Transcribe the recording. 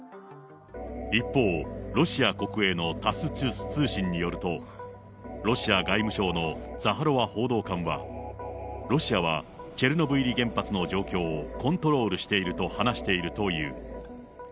一方、ロシア国営のタス通信によると、ロシア外務省のザハロワ報道官は、ロシアはチェルノブイリ原発の状況をコントロールしていると話しているという。